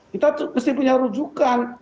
kita mesti punya rujukan